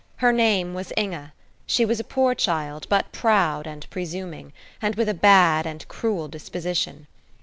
Her name was Inge; she was a poor child, but proud and presuming, and with a bad and cruel disposition.